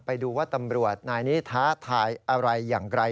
ไปดูว่าตำรวจนายนี้ท้าทายอะไรอย่างไร